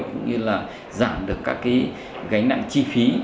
cũng như là giảm được các cái gánh nặng chi phí